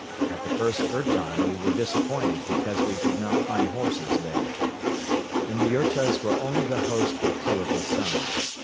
At the first ourton we were disappointed because we did not find horses there. In the yurtas were only the host with two of his sons.